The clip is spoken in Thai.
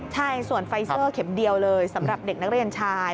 ใช่ส่วนไฟเซอร์เข็มเดียวเลยสำหรับเด็กนักเรียนชาย